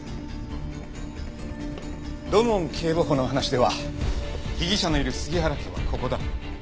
土門警部補の話では被疑者のいる杉原家はここだ。